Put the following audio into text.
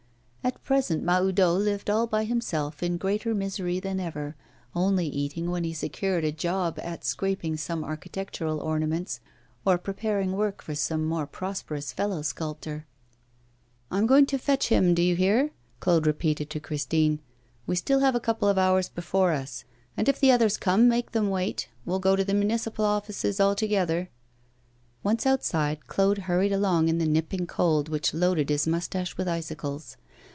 At present Mahoudeau lived all by himself in greater misery than ever, only eating when he secured a job at scraping some architectural ornaments, or preparing work for some more prosperous fellow sculptor. 'I am going to fetch him, do you hear?' Claude repeated to Christine. 'We still have a couple of hours before us. And, if the others come, make them wait. We'll go to the municipal offices all together.' Once outside, Claude hurried along in the nipping cold which loaded his moustache with icicles.